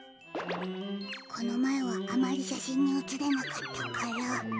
このまえはあまりしゃしんにうつれなかったから。